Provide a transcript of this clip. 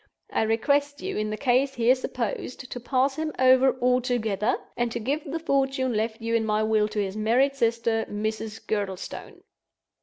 I request you, in the case here supposed, to pass him over altogether; and to give the fortune left you in my will to his married sister, Mrs. Girdlestone.